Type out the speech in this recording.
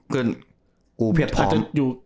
กูเพรียบพร้อม